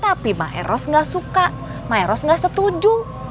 tapi ma'erus nggak suka ma'erus nggak setuju